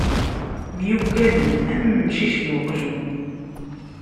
Myuggaden, am umcic d uqjun.